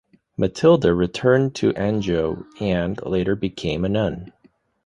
Matilda returned to Anjou and later became a nun.